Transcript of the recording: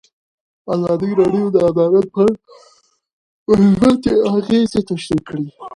ازادي راډیو د عدالت په اړه مثبت اغېزې تشریح کړي.